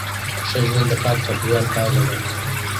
ښه ژوند د پاک چاپیریال پایله ده.